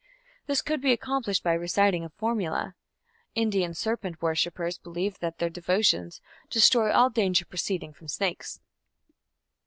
This could be accomplished by reciting a formula. Indian serpent worshippers believe that their devotions "destroy all danger proceeding from snakes".